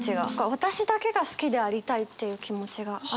私だけが好きでありたいっていう気持ちがあって。